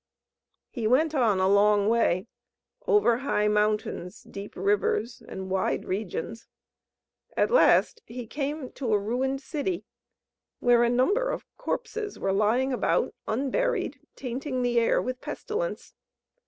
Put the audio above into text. He went on a long way, over high mountains, deep rivers, and wide regions. At last he came to a ruined city, where a number of corpses were lying about unburied, tainting the air with pestilence.